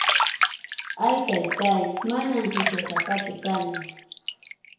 Ay, Taytáy, manam huchasapachu kani.